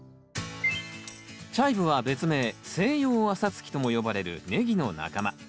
チャイブは別名「セイヨウアサツキ」とも呼ばれるネギの仲間。